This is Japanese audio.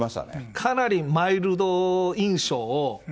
かなりマイルド印象を。